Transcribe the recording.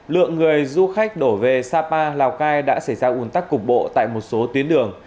lượng người du khách đổ về sapa lào cai đã xảy ra ủn tắc cục bộ tại một số tuyến đường